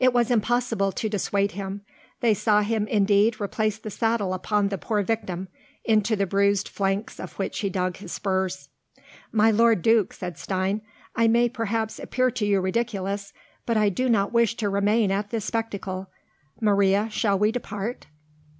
It was impossible to dissuade him; they saw him indeed replace the saddle upon the poor victim, into the bruised flanks of which he dug his spurs. "My lord Duke," said Stein, "I may perhaps appear to you ridiculous, but I do not wish to remain at this spectacle. Maria, shall we depart?"